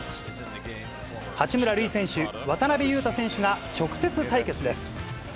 八村塁選手、渡邊雄太選手が直接対決です。